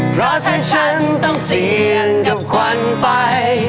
เพราะถ้าฉันต้องเสี่ยงกับควันไฟ